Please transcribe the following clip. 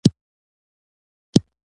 د ميدان وردګو ولایت یو کلی رشیدان نوميږي.